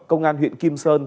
công an huyện kim sơn